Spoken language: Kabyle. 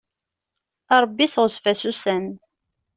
A Ṛebbi seɣzef-as ussan.